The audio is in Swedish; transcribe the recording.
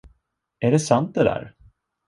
Är det sant, det där?